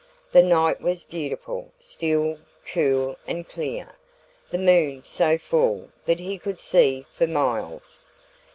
The night was beautiful, still, cool and clear, the moon so full that he could see for miles.